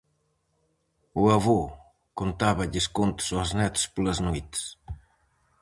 O avó contáballes contos aos netos polas noites.